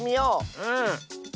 うん。